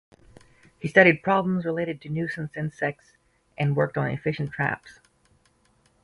He studied problems related to nuisance insects and worked on efficient traps.